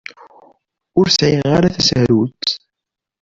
Ur sɛiɣ ara tasarut.